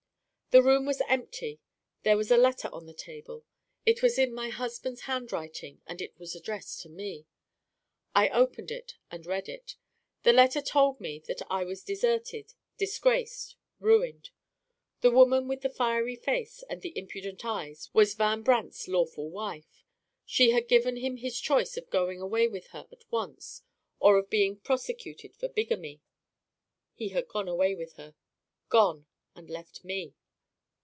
"The room was empty. There was a letter on the table. It was in my husband's handwriting, and it was addressed to me. I opened it and read it. The letter told me that I was deserted, disgraced, ruined. The woman with the fiery face and the impudent eyes was Van Brandt's lawful wife. She had given him his choice of going away with her at once or of being prosecuted for bigamy. He had gone away with her gone, and left me.